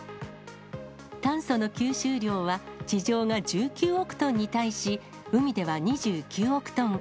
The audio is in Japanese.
炭素の吸収量は地上が１９億トンに対し、海では２９億トン。